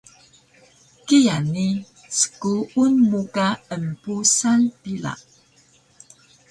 Kiya ni skuun mu ka empusal pila